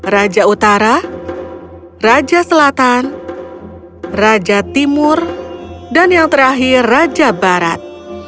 raja utara raja selatan raja timur dan yang terakhir raja barat